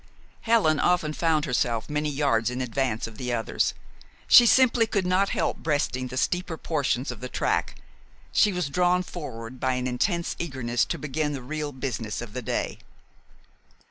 Helen often found herself many yards in advance of the others. She simply could not help breasting the steeper portions of the track. She was drawn forward by an intense eagerness to begin the real business of the day.